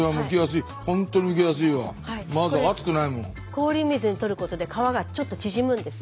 氷水に取ることで皮がちょっと縮むんです。